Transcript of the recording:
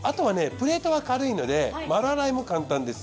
プレートは軽いので丸洗いも簡単です。